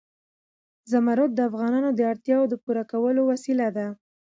زمرد د افغانانو د اړتیاوو د پوره کولو وسیله ده.